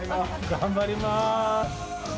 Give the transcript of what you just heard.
頑張りまーす。